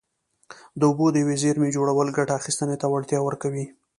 د اوبو د یوې زېرمې جوړول ګټه اخیستنې ته وړتیا ورکوي.